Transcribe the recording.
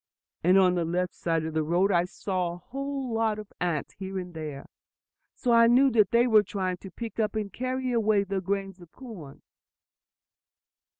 And on the left side of the road I saw a whole lot of ants here and there; so I knew that they were trying to pick up and carry away the grains of corn."